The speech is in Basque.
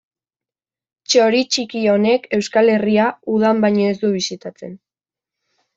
Txori txiki honek Euskal Herria udan baino ez du bisitatzen.